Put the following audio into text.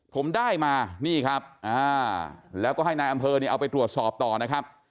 ผมได้มานี่ครับแล้วก็ให้นายอำเภอเนี่ยเอาไปตรวจสอบต่อนะครับ